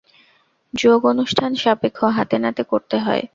যোগ অনুষ্ঠান-সাপেক্ষ, হাতে-নাতে করতে হয়।